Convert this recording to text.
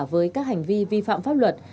với các hành vi vi phạm pháp luật